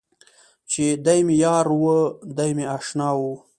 چې دی مې یار و، دی مې اشنا و.